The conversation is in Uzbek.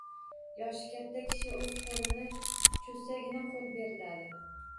Yoshi katta kishi o‘zi qo‘lini cho‘zsagina qo‘l beriladi.